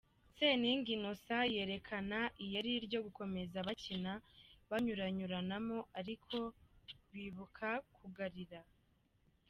Seninga Innocent yerekana iyeri ryo gukomeza bakina banyuranyuranamo arikio bibuka kugarira.